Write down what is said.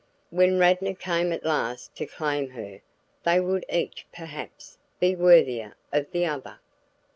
When Radnor came at last to claim her, they would each, perhaps, be worthier of the other.